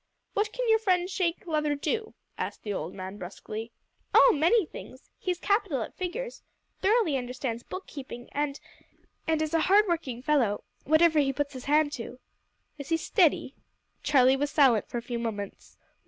"What can your friend Shank Leather do?" asked the old man brusquely. "Oh! many things. He's capital at figures, thoroughly understands book keeping, and and is a hard working fellow, whatever he puts his hand to." "Is he steady?" Charlie was silent for a few moments.